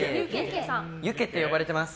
ゆっけって呼ばれてます。